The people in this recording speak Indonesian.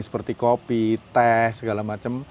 seperti kopi teh segala macam